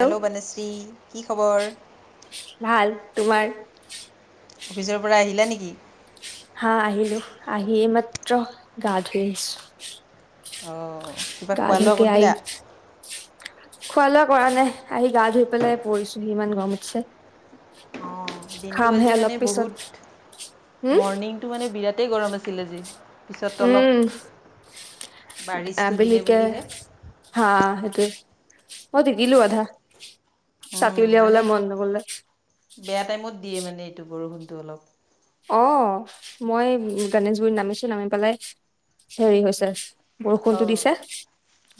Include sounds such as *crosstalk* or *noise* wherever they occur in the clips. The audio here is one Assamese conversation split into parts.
হেল্ল' বানশ্ৰী কি খবৰ? ভাল তোমাৰ? অফিচৰ পৰা আহিলা নেকি? হা আহিলো, আহি এইমাত্ৰ গা ধুই আহিছো। অ' কিবা খোৱা লোৱা কৰিলা? খোৱা-লোৱা কৰা নাই আহি গা ধুই পেলাই পৰিছোহি ইমান গৰম উঠছে। অঁ দিনটো আজি অলপ মানে পিছত বহুত, উম মৰ্ণিংটো মানে বিৰাটেই গৰম আছিল আজি। পিছত অলপ উম বাৰিচটো দিলে আবেলিকে বুলিহে। হা সেইটোৱে মই তিতিলো আধা। ছাতি উম, উলিয়াবলে মানে মন নগ'লে। বেয়া টাইমত দিয়ে মানে, এইটো বৰষুণটো অলপ। অ' মই গণেশগুৰিত নামিছো নামি পেলাই হেৰি হৈছে। বৰষুণটো অঁ দিছে,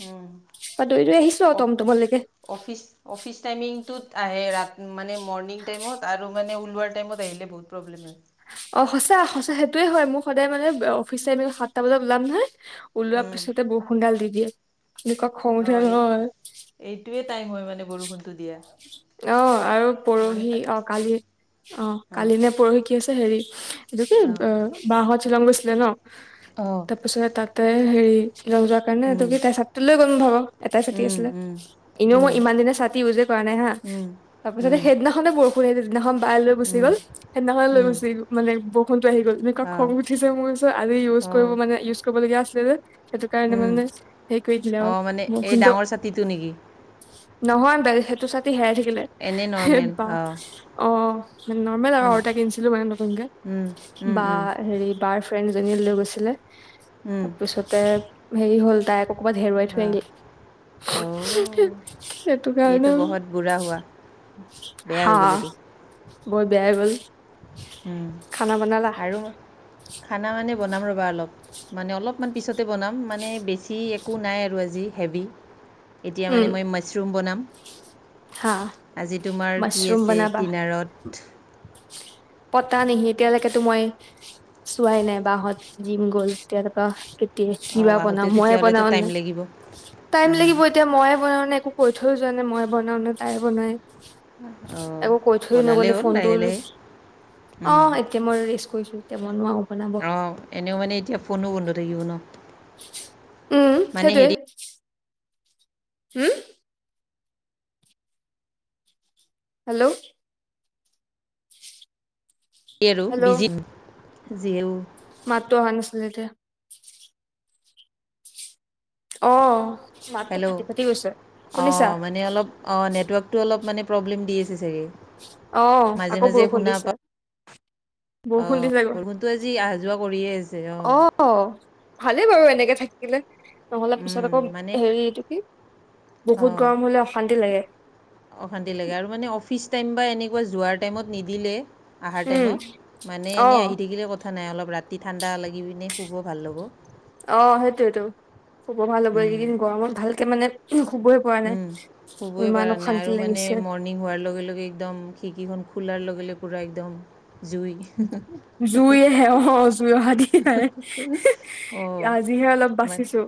উম, মই দৌৰি-দৌৰি আহিছোঁ আৰু অফ তটটমৰ লৈকে। অফিচ? অফিচ টাইমিংটোত আহে ৰা মানে মৰ্ণিং টাইমত আৰু মানে ওলোৱাৰ টাইমত আহিলে বহুত প্ৰব্লেম হয়। অ' সঁচা সঁচা সেইটোয়ে হয়, মোৰ সদায় মানে অফিচ আমি সাতটা বজাত ওলাম নহয়। ওলোৱা উম, পিছতে বৰষুণডাল দি দিয়ে, এনেকুৱা খং উঠে অঁ এই নহয়। এইটোৱে টাইম হয় মানে বৰষুণটো দিয়া। অ' আৰু মানে পৰহি। তা অ' কালি, অ' অঁ কালি নে পৰহি কি আছে হেৰি *unintelligible* বা হঁত শ্বিলং গৈছিলে ন? অ'। তাৰপিছত তাতে হেৰি শ্বিলং যোৱাৰ কাৰণে উম *unintelligible* ছাতিটো লৈ গ'ল ন ভাব এটাই ছাতি উম আছিলে। উম এনেও উম মই ইমান দিনে ছাতি ইউজে কৰা নাই হা উম তাৰ পিছতে উম সেইদিনাখনে বৰষুণ কো দিনাখন বায়ে লৈ গুচি উম গ'ল সেইদিনাখন লৈ উম গুচি গ মানে বৰষুণটো আহি গ'ল। অঁ খং উঠিছে মোৰ আজি ইউজ কৰিব অঁ মানে ইউজ কৰিবলগীয়া আছিলে যে। সেইটো কাৰণে উম মানে সেই কৰি দিলে আৰু অঁ মানে মোৰ এই খুটো। ডাঙৰ ছাতিটো নেকি নহয় সেইটো ছাতি হেৰাই থাকিলে? এনেই হে নৰ্মেল বা অঁ অ' নৰ্মেল আৰু উম অৰ্টা কিনছিলো মানে নতুনকে। উম উম বা উম হেৰি বাৰ ফ্ৰেণ্ডীজনীয়ে লৈ গৈছিলে উম তাৰপিছতে হেৰি হ'ল তাই ক'বাত হেৰুৱাই থৈ অঁ অ' আহিলে সেইটো এইটো কাৰণে। বহুত বুঢ়া হোৱা। বেয়া হা হৈ গ'ল এইটো বৰ বেয়া গ'ল। হুম খানা বনালা আৰু খানা মানে বনাম ৰ'বা অলপ। মানে অলপমান পিছতে বনাম মানে বেছি একো নাই আৰু আজি হেভি। এতিয়া মানে উম মই মাছৰুম বনাম। হা আজি তোমাৰ কি মাছৰুম আছে বনাবা দিনাৰত? পতা নেহি এতিয়ালৈকেেতো মই চোৱাই নাই বাহত জিম গ'ল তেতিয় তপা অঁ কিবা আহোঁতে বনাও মইে তেতিয়াহ'লেতো বনাও ন টাইম লাগিব টাইম লাগিব। এতিয়া মইে বনাও ন একো কৈ থৈও যোৱা নাই মই বনাও ন তাই বনাই। অঁ আকৌ কৈ থৈ বনালেই নগ'লে হ'ল ফোনটো লাহে লাহে অ'। তে মই ৰেষ্ট কৰিছো তে বনোৱা। অ', এনেও মানে এতিয়া ফোনো বন্ধ থাকিব ন? উম, মানে সেইটোৱে। হেৰি হম? হেল্ল'। আৰু বিজি যিয়েও মাততো অহা নাছিলে এতিয়া। অ', মাতটো হেল্ল' ফাটি ফাটি গৈছে শুনিছা? অ', নেটৱৰ্কটো অলপ মানে প্ৰব্লেম দি আছে চাগে? অ', মাজে আকৌ বৰষুণ দিছে। বৰষুণ অ', দিছে আকৌ বৰষুণতটো আজি অহা যোৱা কৰিয়ে আছে অ'। অ', ভালেই বাৰু এনেকে থাকিলে নহ'লে পিছত আকৌ মানে হেৰি এইটো কি? বহুত অঁ গৰম হলে অশান্তি লাগে। অশান্তি লাগে আৰু মানে অফিচ টাইম বা এনেকুৱা যোৱাৰ টাইমত নিদিলে। আহাৰ উম টাইমত মানে অ এনেই আহি থাকিলে কথা নাই অলপ ৰাতি ঠাণ্ডা লাগি পিনে শুব ভাল হ'ব। অ', সেইটোয়েটো শুব ভাল হ'ব। এইকেইদিন গৰমত ভালকে মানে শুবই। পৰা নাই উম, শুবই ইমান পাৰা নাই অশান্তি আৰু মানে লাগিছে মৰ নী হোৱাৰ লগে, লগে একদম খিকিখন খোলাৰ লগে লগে পুৰা একদম জুই। জুই আহে অহ, জুই অহা দি আহে। অঁ আজিহে অলপ মা- বাচিছো।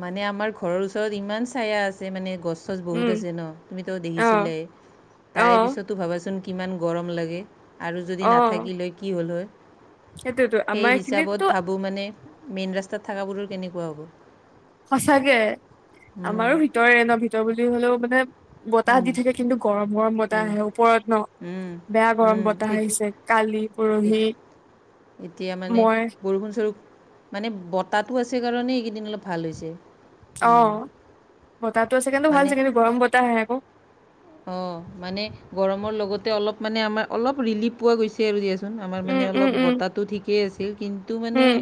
মানে আমাৰ ঘৰৰ ওচৰত ইমান ছায়া আছে মানে গছ চচ উম বহুত আছে ন' তুমিতো অ দেখিছিলায়ে। অ তাৰে পিছতো ভাবাচোন কিমান গৰম লাগে। আৰু অ যদি নাথাকিল হয় কি হ'ল হয়। সেইটোয়েতো আমাৰ সেই এইখিনিতো হিচাপত ভাবোঁ মানে। মেইন ৰাস্তাত থাকাবোৰৰ কেনেকুৱা হ'ব। সঁচাকে, আমাৰো ভিতৰে ন' ভিতৰ বুলি হ'লেও মানে বতাহ দি থাকে। কিন্তু গৰম গৰম বতাহ আহে ওপৰত ন'। বেয়া গৰম বতাহ সেইটো আহিছে কালি, পৰহি। এত- এতিয়া মানে মই বৰষুণ স্বৰূপ মানে বতাহটো আছে কাৰণে এইকেইদিন অলপ ভাল হৈছে। উম, অ', বতাহটো আছে কিন্তু ভাল হৈছে, কিন্তু গৰম বতাহ আহে আকৌ। অ', মানে গৰমৰ লগতে অলপ মানে আমাৰ অলপ ৰিলিপ পোৱা গৈছে। তেৰু দিয়াচোন আমাৰ উম মানে উম অলপ উম বটাহটো ঠিকেই আছে, কিন্তু মানে উম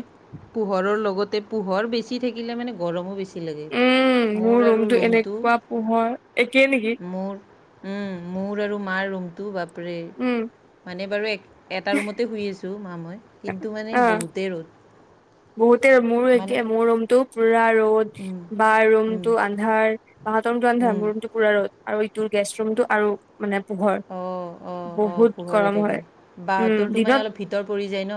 পোহৰৰ লগতে পোহৰ বেছি থাকিলে মানে গৰমো বেছি। কি লাগে? উম মোৰ আৰু ৰুমটো এনেকুৱা পোহৰ একেই নেকি মোৰ উম, মোৰ আৰু মাৰ ৰুমটো বাপৰে উম মানে বাৰু এক এটা ৰুমতে শুই আছোঁ। তো মা মই কিন্তু মানে অ বহুতে ৰ'দ। বহুতে মোৰো মানে একে মোৰ ৰুমতটো পুৰা ৰ'দ। উম, বাৰ উম, ৰুমটো আন্ধাৰ, বাহতৰ ৰুমটো আন্ধাৰ উম। মোৰো তু পোৰা ৰ'দ আৰু এইটো গেষ্ট ৰুমটো আৰু মানে পোহৰ অঁ অঁ অঁ বহুত পোহৰ হৈ গৰম থাকে হয়, উম, বাহঁতৰটো মানে দিনত অলপ ভিতৰ পৰি যায় ন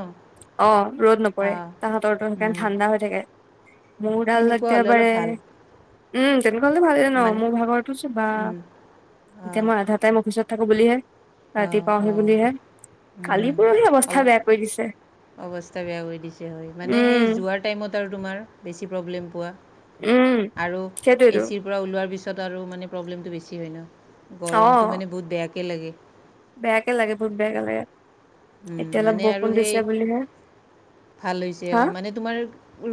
অ', ৰ'দ নপৰে। অঁ তাহঁতৰটো সেইকাণ উম, ঠাণ্ডা হৈ থাকে। মোৰা দাল সেনেকুৱা হ'লে অলপ একেবাৰে। ভাল উম, তেনেকুৱা হ'লে ভালেই ন' মোৰ ভাগৰতো চোবা অ'। তে, মই আধাটাইম অফিচত থাকো বুলিহে। ৰাতি অঁ পাওঁহি অঁ বুলিহে কালি উম, পৰহি অৱস্থা অলপ বেয়া কৰি দিছে। অৱস্থা বেয়া কৰি দিছে হয় মানে, উম সেই যোৱাৰ টাইমত আৰু তোমাৰ বেছি প্ৰব্লেম পোৱা। উম আৰু সেইটোয়েতো এচিৰ পৰা ওলোৱাৰ পিছত আৰু মানে প্ৰব্লেমটো বেছি হয় নহ। অ গৰমটো মানে বহুত বেয়াকে লাগে। বেয়াকে লাগে বহুত বেয়াকে লাগে। উম এতিয়া অলপ মানে বৰষুণ আৰু সেই দিছে বুলিহে *inaudible* ভাল হৈছে হা অ', মানে। তোমাৰ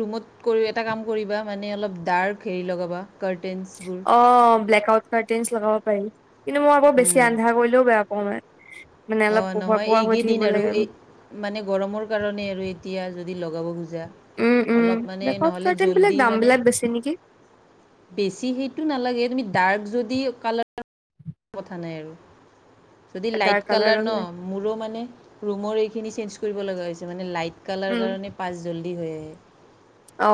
ৰুমত কৰি এটা কাম কৰিবা মানে অলপ ডাৰ্ক হেৰি লগাবা কাৰ্টেনছবোৰ। অ', ব্লেক আউট কাৰ্টেনছ লগাব পাৰি কিন্তু মই আকৌ বেছি আন্ধাৰ কৰিলেও বেয়া পাওঁ মানে। মানে অলপ অঁ পোহৰ, নহয় পোহৰ হৈ এইকেইদিন থাকিব আৰু লাগে। এই মানে গৰমৰ কাৰণে আৰু এতিয়া যদি লগাব সুজ যা, উম উম অলপ মানে ব্লেক আউট নহ'লে কাৰ্টেইন বিলাক জলদি দাম মানে। বিলাক বেছি নেকি বেছি সেইটো নালাগে তুমি ডাৰ্ক যদি কালা কথা নাই আৰু যদি ডাৰ্ক লাইট কালাৰৰ কালাৰ নহ। মোৰো মানে ৰুমৰ এইখিনি চেন্স কৰিব লগা হৈছে মানে লাইট কালাৰ উম কাৰণে। পাঁচ জল্দি হৈ আহে। অ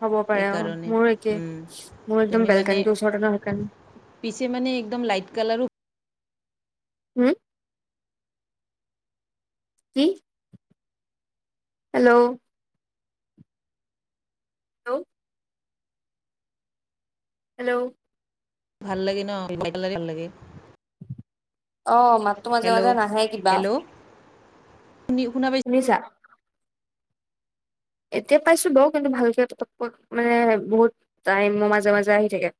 হ'ব পাৰে অ সেইকাৰণে মোৰ একে মোৰ একদম তুমি মানে বেলকানিটোৰ ওচৰতে। *unintelligible* পিছে মানে একদম লাইট কালাৰো। হম। কি। হেল্ল'। হেল্ল'। হেল্ল'। ভাল লাগে নহ *unintelligible* ভাল লাগে। অ', মা হেল্ল', হেল্ল' শুনি শুনা পাই শুনিছা? এতিয়া পাইছোঁ বাৰু কিন্তু ভালকৈ *unintelligible* মানে বহুত টাইমৰ মাজে মাজে আহি থাকে।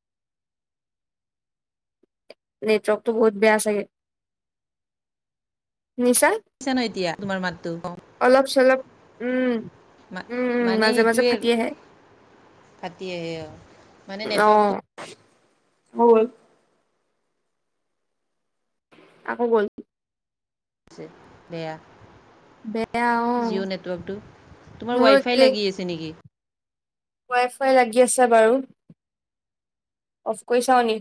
নেটৱৰ্কটো বহুত বেয়া চাগে শুনিছা। শুনিছা *unintelligible* এতিয়া তোমাৰ মাতটো অ'। অলপ চলপ উম। উম উম মা-মানে মাজে মাজে সেইটোৱে ফাটি আৰু আহে ফাতি আহে অ মানে নেটৱৰ্কটো। *unintelligible* আকৌ গ'ল। *unintelligible* বেয়া। বেয়া অ জিঅ' নেটৱৰ্কটো তোমাৰ মোৰো ৱাইফাই লাগি আছে নেকি? ৱাইফাই লাগি আছে বাৰু অফ কৰি চাওঁ নি।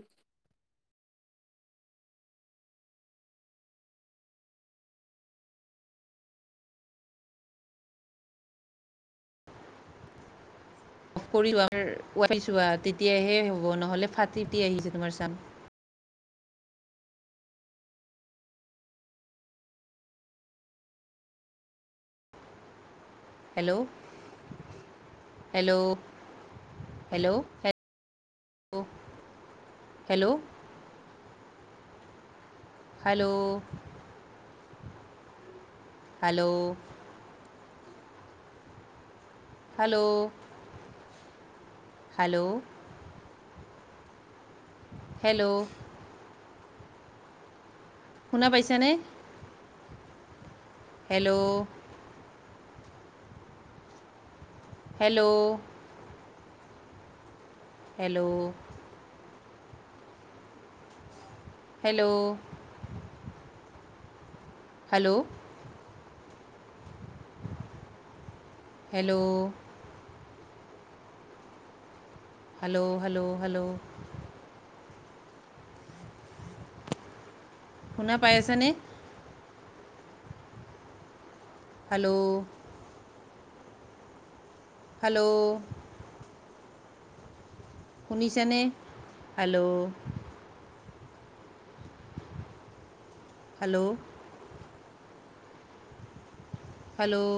অফ কৰি লোৱা *unintelligible* চোৱা তেতিয়াহে হ'ব নহ'লে ফাটি *unintelligible* আহি আছে তোমাৰ চান hello. Hello, hello, hello. Hello. Hello. Hello. Hello, hello. Hello. শুনা পাইছানে। Hello. Hello. Hello. Hello. Hello. Hello. Hello, hello, hello. শুনা পাই আছানে? হেল্ল'। হেল্ল'। শুনিছ নে হেল্ল'? হেল্ল'। হেল্ল'।